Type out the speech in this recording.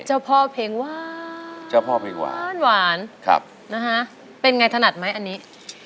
เจ้าพ่อเพลงหวานเป็นไงถนัดไหมอันนี้